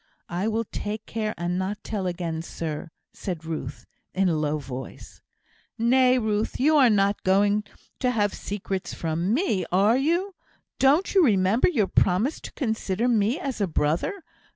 "I will take care and not tell again, sir," said Ruth, in a low voice. "Nay, Ruth, you are not going to have secrets from me, are you? Don't you remember your promise to consider me as a brother?